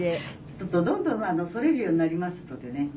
「するとどんどん反れるようになりますのでね」